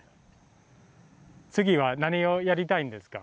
次は何をやりたいんですか？